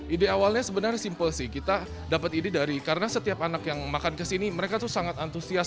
ide awalnya sebenarnya simpel sih kita dapat ide dari karena setiap anak yang makan kesini mereka tuh sangat antusias